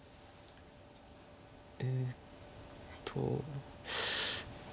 えっと。